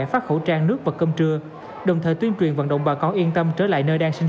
phát khẩu trang nước và cơm trưa đồng thời tuyên truyền vận động bà con yên tâm trở lại nơi đang sinh